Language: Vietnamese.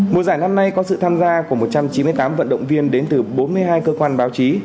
mùa giải năm nay có sự tham gia của một trăm chín mươi tám vận động viên đến từ bốn mươi hai cơ quan báo chí